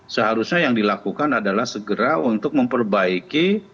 seharusnya yang dilakukan adalah segera untuk memperbaiki